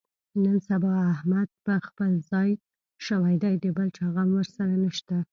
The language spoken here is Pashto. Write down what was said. نن سبا احمد په خپل ځان شوی دی، د بل چا غم ورسره نشته.